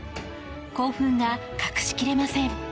興奮が隠し切れません。